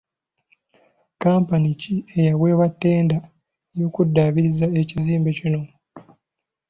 Kkampuni ki eyaweebwa ttenda ey'okuddaabiriza ekizimbe kino?